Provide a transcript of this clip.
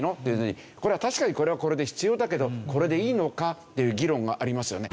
これは確かにこれはこれで必要だけどこれでいいのか？っていう議論がありますよね。